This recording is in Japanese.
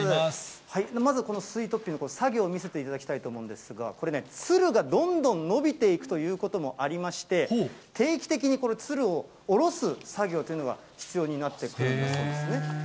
まず、このスイートピーの作業を見せていただきたいと思うんですが、これね、ツルがどんどん伸びていくということもありまして、定期的にこのツルを下ろす作業というのが必要になってくるんだそうですね。